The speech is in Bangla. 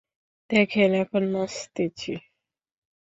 দেখেন, এখন নাচতেছি।